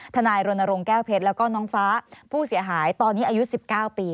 นายรณรงค์แก้วเพชรแล้วก็น้องฟ้าผู้เสียหายตอนนี้อายุ๑๙ปี